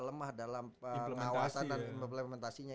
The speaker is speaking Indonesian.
lemah dalam pengawasan dan implementasinya